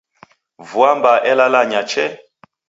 Vua mbaa elalanya chee!